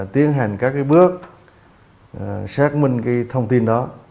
tiến hành các cái bước xác minh cái thông tin đó